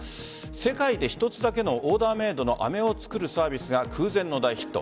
世界で一つだけのオーダーメードの飴を作るサービスが空前の大ヒット。